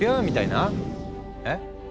みたいなえ？